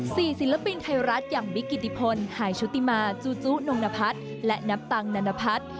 ศิลปินไทยรัฐอย่างบิ๊กกิติพลหายชุติมาจูจุนงนพัฒน์และนับตังนานพัฒน์